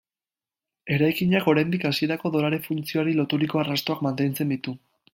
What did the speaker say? Eraikinak, oraindik, hasierako dolare funtzioari loturiko arrastoak mantentzen ditu.